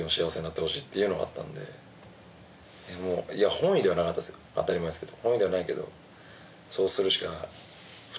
本意ではなかったですよ当たり前ですけど。